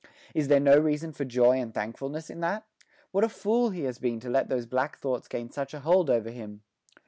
Is there no reason for joy and thankfulness in that? What a fool he has been to let those black thoughts gain such a hold over him!